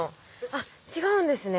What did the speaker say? あっ違うんですね。